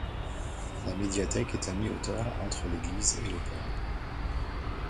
La médiathèque est à mi-hauteur entre l'église et le port.